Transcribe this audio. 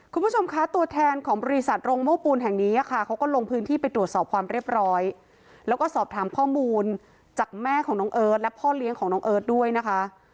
คุณผู้ชมคะตัวแทนของบริษัทโรงโม้ปูนแห่งนี้ค่ะเขาก็ลงพื้นที่ไปตรวจสอบความเรียบร้อยแล้วก็สอบถามข้อมูลจากแม่ของน้องเอิร์ทและพ่อเลี้ยงของน้องเอิร์ทด้วยนะคะ